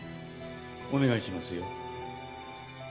お願いしますよ。